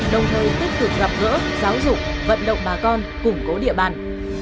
đồng thời tiếp tục gặp gỡ giáo dục vận động bà con củng cố địa bàn